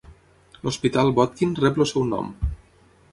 L'hospital Botkin rep el seu nom.